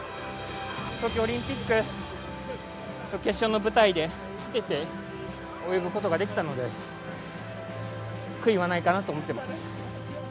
東京オリンピック決勝の舞台で立てて、泳ぐことができたので、悔いはないかなと思っています。